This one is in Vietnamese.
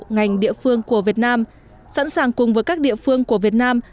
ngành địa phương của việt nam sẵn sàng cùng với các địa phương của việt nam